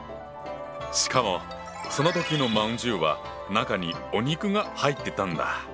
しかもその時の饅頭は中にお肉が入ってたんだ！